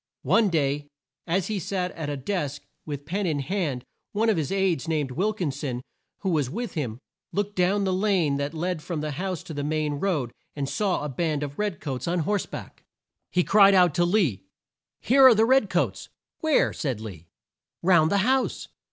One day as he sat at a desk with pen in hand, one of his aides named Wil kin son, who was with him, looked down the lane that led from the house to the main road and saw a band of red coats on horse back. He cried out to Lee "Here are the red coats!" "Where?" said Lee. "Round the house!"